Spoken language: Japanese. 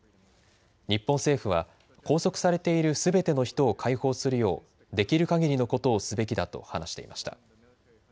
日本政府は拘束されているすべての人を解放するようできるかぎりのことをすべきだと話していました。